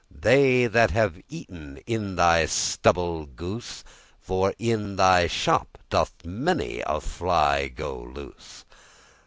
That they have eaten in thy stubble goose: For in thy shop doth many a fly go loose.